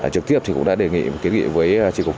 trực tiếp thì cũng đã đề nghị kết nghị với